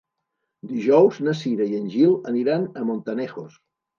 Dijous na Cira i en Gil aniran a Montanejos.